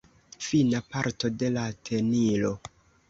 Fina parto de la tenilo.